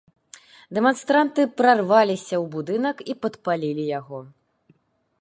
Дэманстранты прарваліся ў будынак і падпалілі яго.